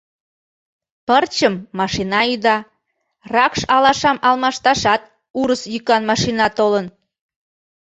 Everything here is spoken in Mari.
Пырчым машина ӱда, ракш алашам алмашташат урыс йӱкан машина толын.